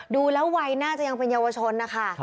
ดูแล้วไวน่าจะก็เป็นเยาวชนนะคะ